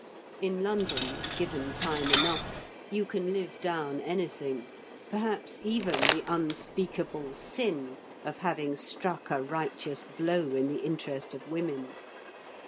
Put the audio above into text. In London, given time enough, you can live down anything, perhaps even the unspeakable sin of having struck a righteous blow in the interest of women.